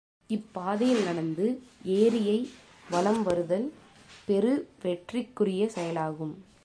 இப்பாதையில் நடந்து ஏரியை வலம் வருதல் பெருவெற்றிக்குரிய செயலாகும்.